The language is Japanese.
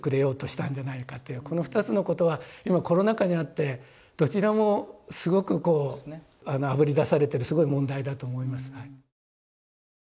この二つのことは今コロナ禍にあってどちらもすごくこうあぶり出されてるすごい問題だと思います。